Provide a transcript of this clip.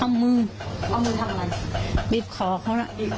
เอามือเอามือทำอะไรบีบคอเขาน่ะบีบ